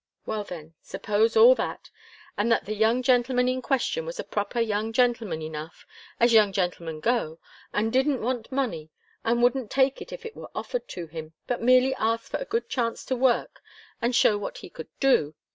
Well, then suppose all that, and that the young gentleman in question was a proper young gentleman enough, as young gentlemen go, and didn't want money, and wouldn't take it if it were offered to him, but merely asked for a good chance to work and show what he could do.